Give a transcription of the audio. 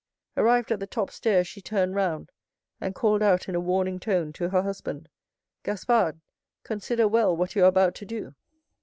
Arrived at the top stair, she turned round, and called out, in a warning tone, to her husband, "Gaspard, consider well what you are about to do!"